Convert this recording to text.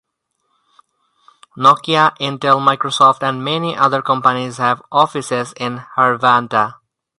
Nokia, Intel, Microsoft, and many other companies have offices in Hervanta.